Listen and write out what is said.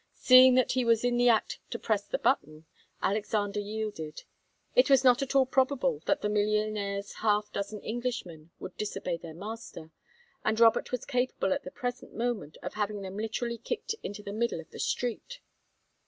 Seeing that he was in the act to press the button, Alexander yielded. It was not at all probable that the millionaire's half dozen Englishmen would disobey their master, and Robert was capable at the present moment of having him literally kicked into the middle of the street.